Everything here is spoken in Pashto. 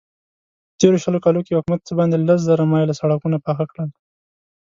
په تېرو شلو کالو کې حکومت څه باندې لس زره مايله سړکونه پاخه کړل.